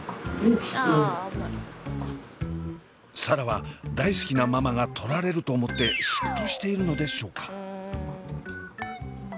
紗蘭は大好きなママが取られると思って嫉妬しているのでしょうか？